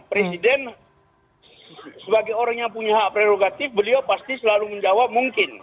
presiden sebagai orang yang punya hak prerogatif beliau pasti selalu menjawab mungkin